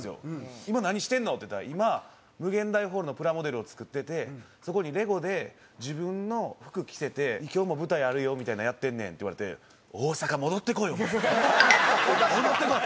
「今何してんの？」って言ったら「今∞ホールのプラモデルを作っててそこにレゴで自分の服着せて今日も舞台あるよみたいのやってんねん」って言われて「大阪戻って来いお前。戻って来い！」。